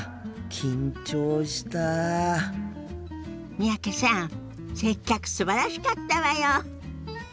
三宅さん接客すばらしかったわよ。